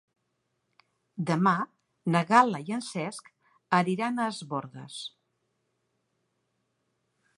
Demà na Gal·la i en Cesc aniran a Es Bòrdes.